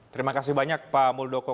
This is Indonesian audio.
terima kasih banyak pak muldoko